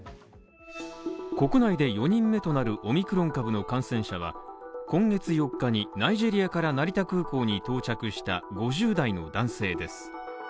国内で４人目となるオミクロン株の感染者は今月４日にナイジェリアから成田空港に到着した５０代の男性です。